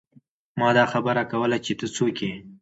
ما دا خبره کوله چې ته څوک يې ۔